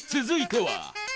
続いては。